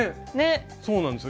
そうなんですよ。